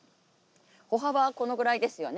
歩幅はこのぐらいですよね。